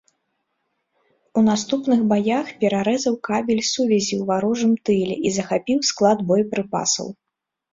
У наступных баях перарэзаў кабель сувязі у варожым тыле і захапіў склад боепрыпасаў.